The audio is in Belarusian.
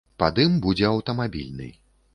Пад ім будзе аўтамабільны.